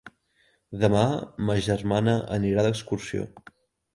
Demà ma germana anirà d'excursió.